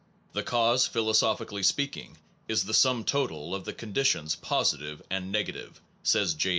The cause, philosophically speaking, is the sum total of the conditions positive and negative, says J.